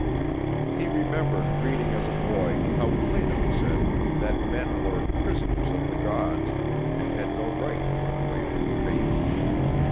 He remembered reading as a boy, how Plato said that men were "prisoners of the gods" and had no right to run away from fate.